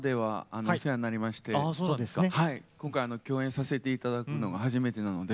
今回共演させて頂くのが初めてなので。